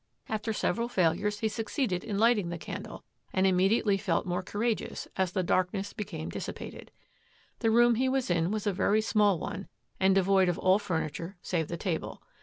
After several failures he succeeded in lighting the candle, and immediately felt more courageous as the darkness became dissi pated. The room he was in was a very small one, and devoid of all furniture save the table.